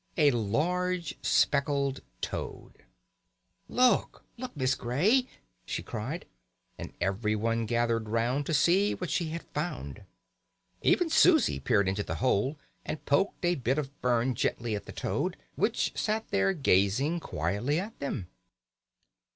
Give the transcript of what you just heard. A large speckled toad! "Look, look, Miss Grey!" she cried, and everyone gathered round to see what she had found. Even Susie peered into the hole, and poked a bit of fern gently at the toad, which sat there gazing quietly at them.